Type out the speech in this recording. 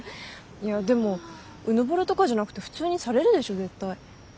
いやでもうぬぼれとかじゃなくて普通にされるでしょ絶対。